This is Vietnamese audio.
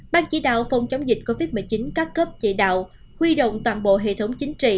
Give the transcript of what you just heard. ban chỉ đạo phòng chống dịch covid một mươi chín các cấp chỉ đạo huy động toàn bộ hệ thống chính trị